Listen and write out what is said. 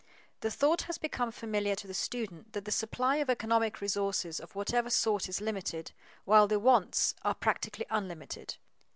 _ The thought has become familiar to the student that the supply of economic resources of whatever sort is limited, while the wants are practically unlimited.